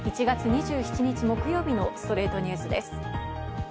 １月２７日、木曜日の『ストレイトニュース』です。